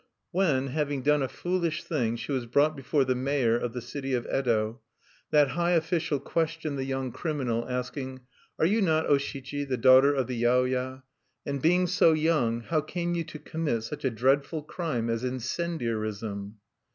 When, having done a foolish thing, she was brought before the mayor of the city of Yedo, that high official questioned the young criminal, asking: "Are you not O Shichi, the daughter of the yaoya? And being so young, how came you to commit such a dreadful crime as incendiarism?"